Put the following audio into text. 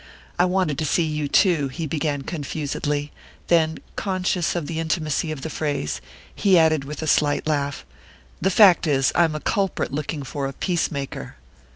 "I wanted to see you too," he began confusedly; then, conscious of the intimacy of the phrase, he added with a slight laugh: "The fact is, I'm a culprit looking for a peace maker."